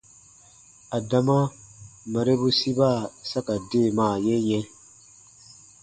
Adama marebu siba sa ka deemaa ye yɛ̃.